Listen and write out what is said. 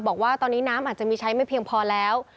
บอกว่าตอนนี้น้ำอาจจะมีใช้ไม่เพียงพอแล้ว